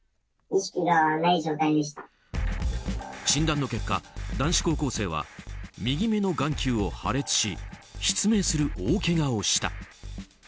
診断の結果、男子高校生は右目の眼球を破裂し失明する大けがをした。